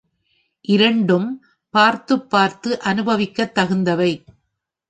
இரண்டும் பார்த்துப் பார்த்து அனுபவிக்கத் தகுந்தவை.